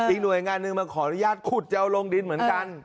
หน่วยงานหนึ่งมาขออนุญาตขุดจะเอาลงดินเหมือนกัน